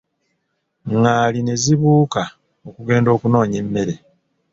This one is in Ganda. Ngaali ne zibuuka okugenda okunoonya emmere.